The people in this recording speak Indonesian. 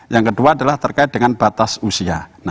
yang kedua adalah terkait dengan batas usia